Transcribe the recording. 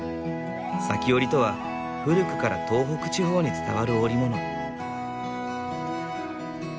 裂き織りとは古くから東北地方に伝わる織物。